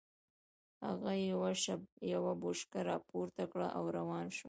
هغه يوه بوشکه را پورته کړه او روان شو.